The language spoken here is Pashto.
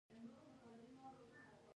هغې د زړه له کومې د لاره ستاینه هم وکړه.